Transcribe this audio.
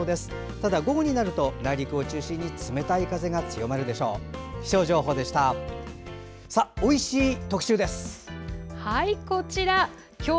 ただ午後になると内陸を中心に冷たい風が強まるでしょう。